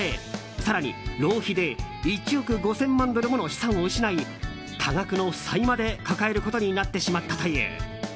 更に浪費で１億５０００万ドルもの資産を失い多額の負債まで抱えることになってしまったという。